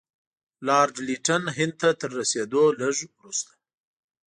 لارډ لیټن هند ته تر رسېدلو لږ وروسته.